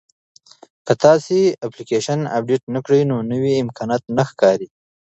که تاسي اپلیکیشن اپډیټ نه کړئ نو نوي امکانات نه ښکاري.